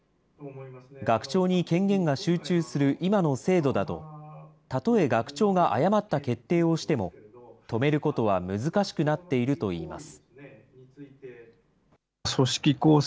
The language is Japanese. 学長に権限が集中する今の制度だと、たとえ学長が誤った決定をしても、止めることは難しくなっているといいます。